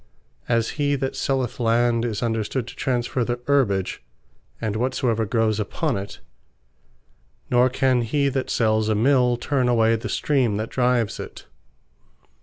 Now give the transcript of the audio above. As he that selleth Land, is understood to transferre the Herbage, and whatsoever growes upon it; Nor can he that sells a Mill turn away the Stream that drives it.